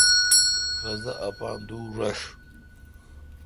رس دا اپان دور رݭ۔